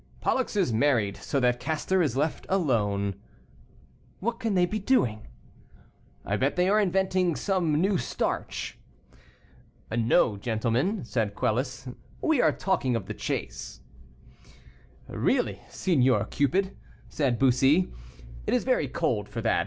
"Pollux is married, so that Castor is left alone." "What can they be doing?" "I bet they are inventing some new starch." "No, gentlemen," said Quelus, "we are talking of the chase." "Really, Signor Cupid," said Bussy; "it is very cold for that.